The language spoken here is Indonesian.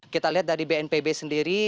kita lihat dari bnpb sendiri